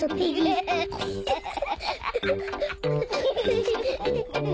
アハハハ。